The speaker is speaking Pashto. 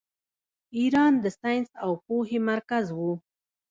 ایران د ساینس او پوهې مرکز و.